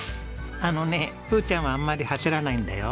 あのねふーちゃんはあんまり走らないんだよ。